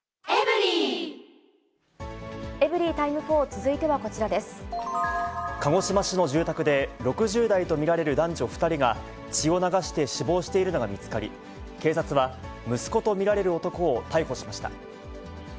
エブリィタイム４、続いては鹿児島市の住宅で、６０代と見られる男女２人が、血を流して死亡しているのが見つかり、警察は息子と見られる男を逮捕しました。